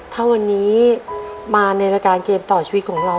ถ้าวันนี้มาในรายการเกมต่อชีวิตของเรา